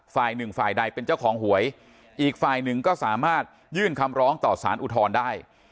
ฝ่ายหนึ่งฝ่ายใดเป็นเจ้าของหวยอีกฝ่ายหนึ่งก็สามารถยื่นคำร้องต่อสารอุทธรณ์ได้